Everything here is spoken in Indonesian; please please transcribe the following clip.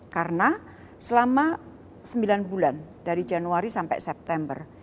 karena selama sembilan bulan dari januari sampai september